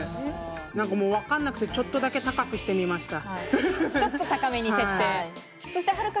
わかんなくて、ちょっとだけ高くしてみました。